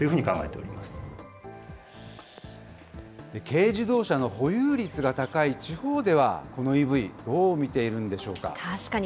軽自動車の保有率が高い地方では、このＥＶ、どう見ているんでしょうか。